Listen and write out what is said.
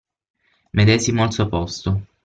Medesimo al suo posto.